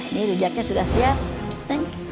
ini rujaknya sudah siap